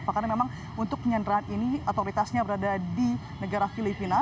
karena memang untuk penyanderaan ini otoritasnya berada di negara filipina